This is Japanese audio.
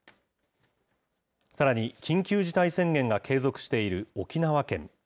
さらに緊急事態宣言が継続している沖縄県。